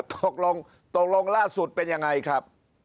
ตกลงตกลงล่าสุดเป็นยังไงครับ